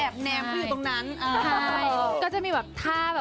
กับเพลงที่มีชื่อว่ากี่รอบก็ได้